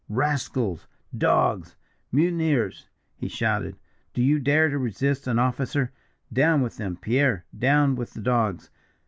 'Rascals! Dogs! Mutineers!' he shouted. 'Do you dare to resist an officer? Down with them, Pierre; down with the dogs!